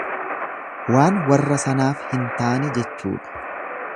Waan warra sanaaf hin taane jechuudha.